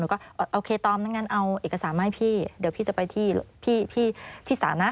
ก็โอเคตอมไม่งั้นเอาเอกสารมาให้พี่เดี๋ยวพี่จะไปที่พี่ที่ศาลนะ